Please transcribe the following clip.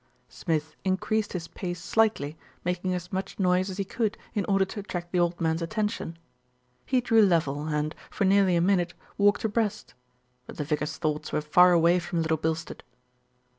Smith increased his pace slightly, making as much noise as he could in order to attract the old man's atten tion. He drew level and, for nearly a minute, walked abreast; but the vicar's thoughts were far away from Little Bilstead.